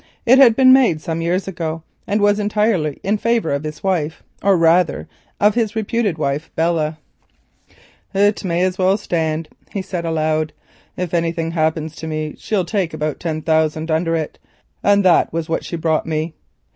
It had been made some years ago, and was entirely in favour of his wife, or, rather, of his reputed wife, Belle. "It may as well stand," he said aloud; "if anything happens to me she'll take about ten thousand under it, and that was what she brought me."